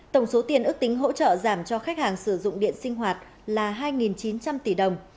tổng số tiền ước tính hỗ trợ giảm cho khách hàng sử dụng điện sinh hoạt là hai chín trăm linh tỷ đồng